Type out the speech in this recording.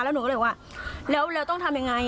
หนูก็เลยบอกว่าแล้วต้องทำยังไง